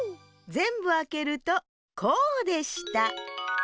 ぜんぶあけるとこうでした。